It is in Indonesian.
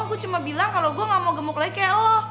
aku cuma bilang kalau gue gak mau gemuk lagi ke lo